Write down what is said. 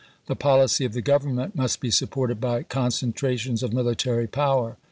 The policy of the Grovernment must be supported by concentrations of military power.